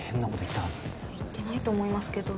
言ってないと思いますけど。